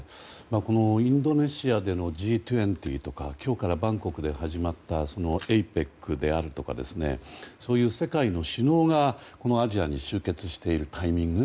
このインドネシアでのＧ２０とか今日からバンコクで始まったＡＰＥＣであるとかそういう世界の首脳がアジアに集結しているタイミング